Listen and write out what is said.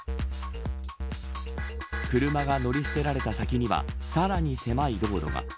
車が乗り捨てられた先にはさらに狭い道路が。